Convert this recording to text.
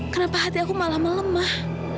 kenapa hati aku malah melemah